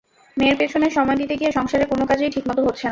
মেয়ের পেছনে সময় দিতে গিয়ে সংসারের কোনো কাজই ঠিকমতো হচ্ছে না।